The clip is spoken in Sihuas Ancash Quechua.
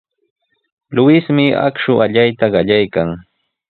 Luismi akshu allayta qallaykan.